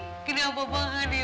kenapa bangah nih